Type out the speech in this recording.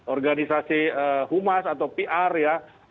organisasi humas atau pr ya